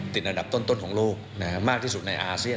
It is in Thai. ติดอันดับต้นของโลกมากที่สุดในอาเซียน